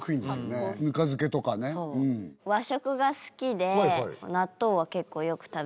和食が好きで納豆は結構よく食べます。